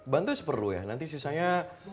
bantu seperlu ya nanti sisanya